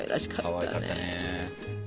かわいかったね。